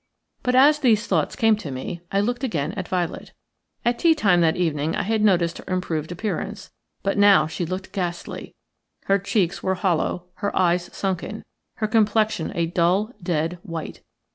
But as these thoughts came to me I looked again at Violet. At tea time that evening I had noticed her improved appearance, but now she looked ghastly; her cheeks were hollow, her eyes sunken, her complexion a dull, dead white.